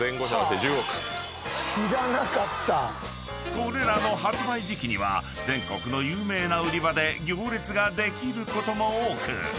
［これらの発売時期には全国の有名な売り場で行列ができることも多く］